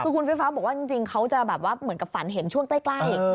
คุณเฟียวฟ้าวบอกว่าจริงเขาจะเหมือนกับฝันเห็นช่วงใกล้